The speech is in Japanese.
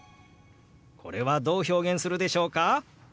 これはどう表現するでしょうか？